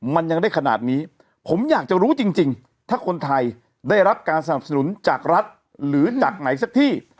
มันยังได้ขนาดนี้ผมอยากจะรู้จริงถ้าคนไทยได้รับการสนับสนุนจากรัฐหรือจากไหนสักที่